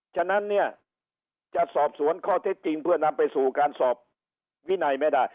ฉะนั้นเนี่ยจะสอบสวนข้อเท็จจริงเพื่อนำไปสู่การสอบวินัยไม่ได้